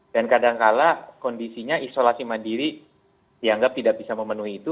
dan kadangkala kondisinya isolasi mandiri dianggap tidak bisa memenuhi itu